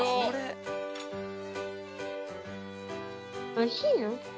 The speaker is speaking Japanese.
おいしいの？